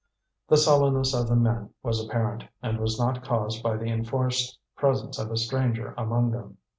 The sullenness of the men was apparent, and was not caused by the enforced presence of a stranger among them.